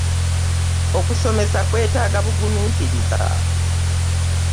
Okusomesa kwetaga buguminkiriza.